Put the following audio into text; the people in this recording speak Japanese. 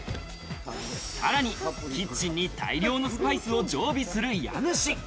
さらにキッチンに大量のスパイスを常備する家主。